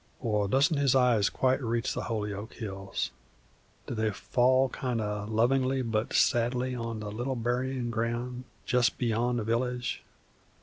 Or doesn't his eyes quite reach the Holyoke hills? Do they fall kind o' lovingly but sadly on the little buryin' ground jest beyond the village?